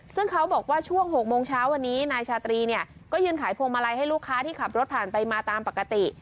ซึ่งเขาบอกว่าช่วง๖โมงเช้าวันนี้นายชาตรีเนี่ยก็ยืนขายพวงมาลัยให้ลูกค้าที่ขับรถผ่านไปมาตามปกติ